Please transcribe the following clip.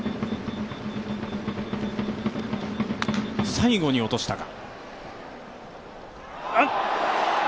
最後に落としたか。